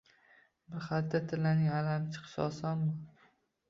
Bir xalta tillaning alami chiqishi osonmi?